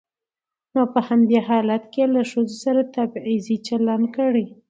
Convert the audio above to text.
نو په همدې حالت کې يې له ښځو سره تبعيضي چلن کړى.